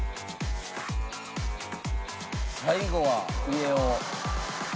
最後は上を。